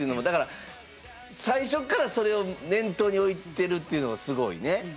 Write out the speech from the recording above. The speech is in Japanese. だから最初っからそれを念頭に置いてるっていうのがすごいね。